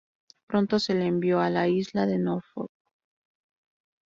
Pronto se le envió a la isla de Norfolk.